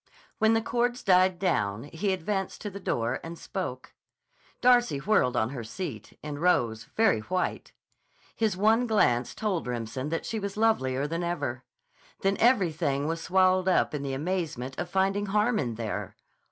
When the chords died down he advanced to the door and spoke. Darcy whirled on her seat, and rose, very white. His one glance told Remsen that she was lovelier than ever. Then everything was swallowed up in the amazement of finding Hannon there.